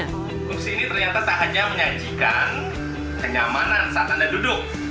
kursi ini ternyata tak hanya menyajikan kenyamanan saat anda duduk